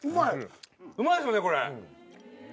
うまいっすよねこれ。